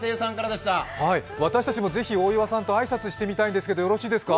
私たちもぜひ大岩さんと挨拶してみたいんですけど、よろしいですか。